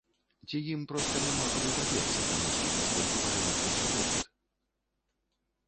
Ці ім проста няма куды падзецца, таму што настолькі павялічыўся попыт?